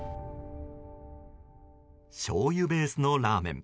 しょうゆベースのラーメン。